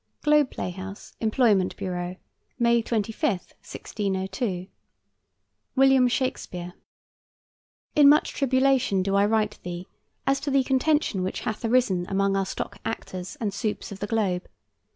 GLOBE PLAYHOUSE, EMPLOYMENT BUREAU, May 25, 1602. WILLIAM SHAKESPEARE: In much tribulation do I write thee as to the contention which hath arisen among our stock actors and supes of the Globe.